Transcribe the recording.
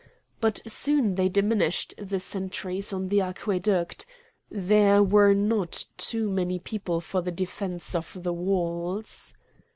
But soon they diminished the sentries on the aqueduct. There were not too many people for the defence of the walls.